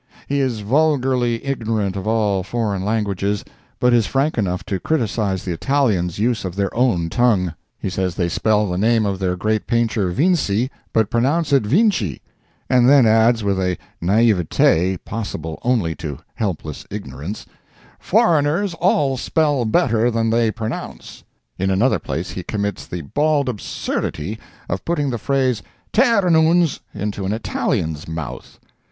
He is vulgarly ignorant of all foreign languages, but is frank enough to criticise the Italians' use of their own tongue. He says they spell the name of their great painter "Vinci, but pronounce it Vinchy"—and then adds with a naivete possible only to helpless ignorance, "foreigners all spell better than they pronounce.'" In another place he commits the bald absurdity of putting the phrase "tare an ouns" into an Italian's mouth.